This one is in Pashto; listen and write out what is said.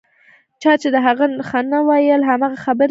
چا چې د هغه ښه نه ویل هماغه خبرې تکرارولې.